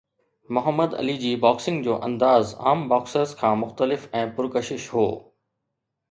Muhammad Ali جي boxing جو انداز عام باڪسرز کان مختلف ۽ پرڪشش هو